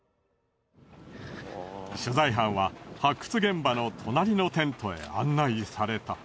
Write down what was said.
取材班は発掘現場の隣のテントへ案内された。